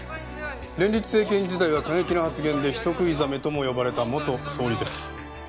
連立政権時代は過激な発言で「人食いザメ」とも呼ばれた元総理です。